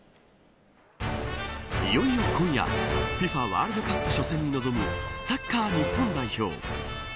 いよいよ今夜ＦＩＦＡワールドカップ初戦に臨むサッカー日本代表。